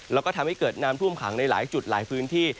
แล้วก็ทำให้เกิดน้ำท่วมขังในหลายจุดหลายพื้นที่